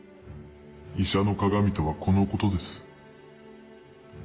医者の鑑とはこのことです。